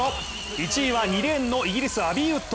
１位は２レーンのイギリスアビー・ウッド。